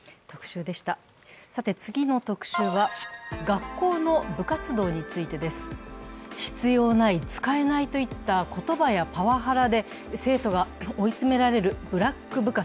次の特集は、学校の部活動についてです。必要ない、使えないといった言葉やパワハラで生徒が追い詰められるブラック部活。